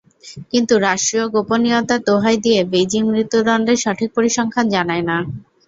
কিন্তু রাষ্ট্রীয় গোপনীয়তার দোহাই দিয়ে বেইজিং মৃত্যুদণ্ডের সঠিক পরিসংখ্যান জানায় না।